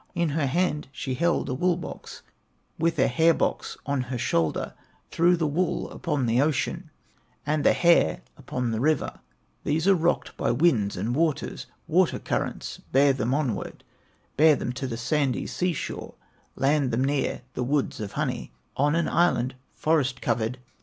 In her hand she held a wool box, With a hair box on her shoulder; Threw the wool upon the ocean, And the hair upon the rivers; These are rocked by winds and waters, Water currents bear them onward, Bear them to the sandy sea shore, Land them near the woods of honey, On an island forest covered.